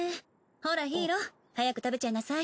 ほらヒイロ早く食べちゃいなさい。